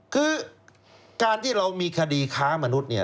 คือการที่เรามีคดีค้ามนุษย์เนี่ย